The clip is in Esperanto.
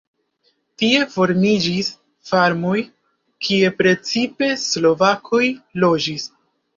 Tie formiĝis farmoj, kie precipe slovakoj loĝis.